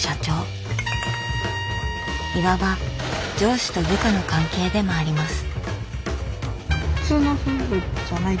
いわば上司と部下の関係でもあります。